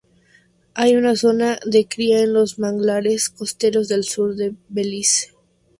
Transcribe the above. Hay una zona de cría en los manglares costeros del sur de Belice.